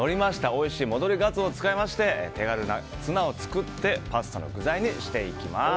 おいしい戻りガツオを使いまして手軽なツナを使ってパスタの具材にしていきます。